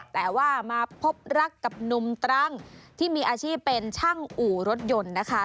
แต่ว่ามาพบรักกับหนุ่มตรังที่มีอาชีพเป็นช่างอู่รถยนต์นะคะ